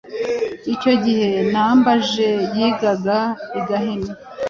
Icyo gihe Nambaje yigaga i Gahini